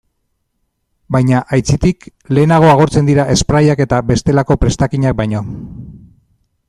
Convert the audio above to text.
Baina, aitzitik, lehenago agortzen dira sprayak eta bestelako prestakinak baino.